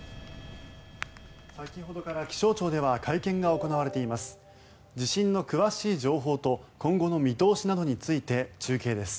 先ほどから気象庁では会見が行われています。